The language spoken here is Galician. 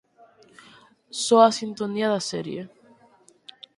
Soa a sintonía da serie.